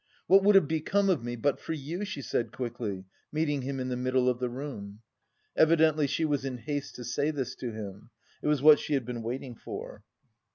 "What would have become of me but for you?" she said quickly, meeting him in the middle of the room. Evidently she was in haste to say this to him. It was what she had been waiting for.